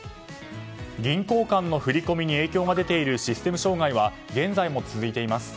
銀行間の振り込みに影響が出ているシステム障害は現在も続いています。